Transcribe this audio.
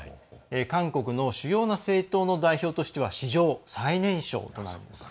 韓国の主要な政党の代表としては史上最年少なんです。